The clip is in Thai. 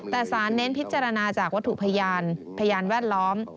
แต่สารเน้นพิจารณาจากวัตถุพยานพยานแวดล้อม